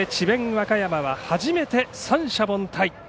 和歌山は初めて三者凡退。